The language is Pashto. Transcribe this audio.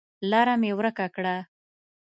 لاره مې ورکه کړه